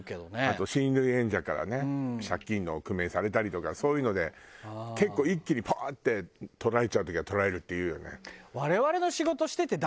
あと親類縁者からね借金の工面されたりとかそういうので結構一気にパーッて取られちゃう時は取られるっていうよね。